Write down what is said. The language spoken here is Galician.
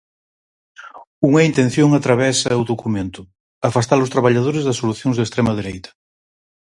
Unha intención atravesa o documento, afastar os traballadores das solucións de extrema dereita.